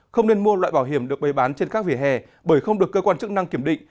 không nên mua loại bảo hiểm được bày bán trên các vỉa hè bởi không được cơ quan chức năng kiểm định